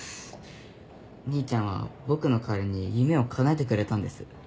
兄ちゃんは僕の代わりに夢をかなえてくれたんです。